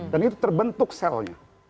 dan itu terbentuk selnya